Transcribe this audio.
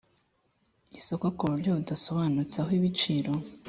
isoko ku buryo budasobanutse aho ibiciro